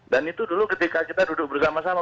itu dulu ketika kita duduk bersama sama